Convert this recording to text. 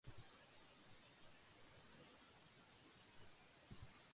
کم ہمت لوگ باتوں کے چسکے لے رہے ہیں